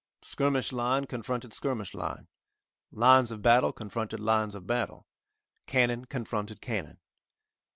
Skirmish line confronted skirmish line, lines of battle confronted lines of battle, cannon confronted cannon.